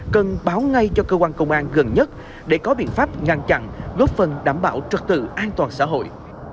cần báo ngay cho cơ quan công an gần nhất để có biện pháp ngăn chặn góp phần đảm bảo trật tự an toàn xã hội